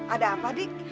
ada apa dik